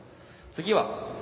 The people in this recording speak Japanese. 次は。